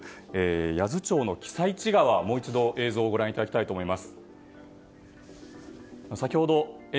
八頭町の私都川をもう一度、映像をご覧いただきたいと思います。